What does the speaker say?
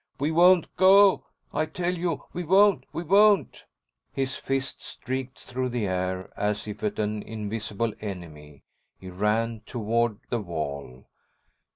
"We won't go! I tell you, we won't, we won't!" His fists streaked through the air as if at an invisible enemy. He ran toward the wall.